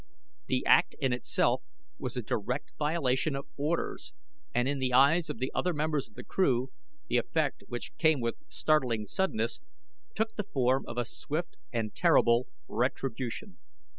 The act in itself was a direct violation of orders and, in the eyes of the other members of the crew, the effect, which came with startling suddenness, took the form of a swift and terrible retribution.